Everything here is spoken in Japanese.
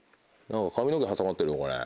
何か髪の毛挟まってるこれ。